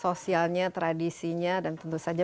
sosialnya tradisinya dan tentu saja